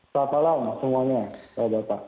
selamat malam semuanya